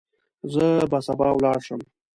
زه به سبا ولاړ شم.